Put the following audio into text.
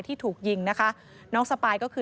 ที่ถูกยิงนะคะน้องสปายก็คือ